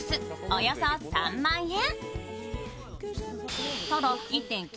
およそ３万円。